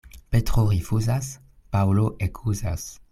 Petro rifuzas, Paŭlo ekuzas.